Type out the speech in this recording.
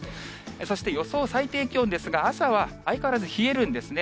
そして予想最低気温ですが、朝は相変わらず冷えるんですね。